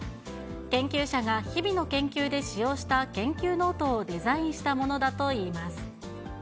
研究者が日々の研究で使用した研究ノートをデザインしたものだといいます。